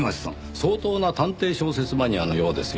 相当な探偵小説マニアのようですよ。